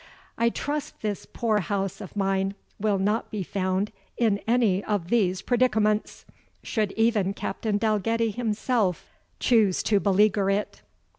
I trust this poor house of mine will not be found in any of these predicaments, should even Captain Dalgetty himself choose to beleaguer it."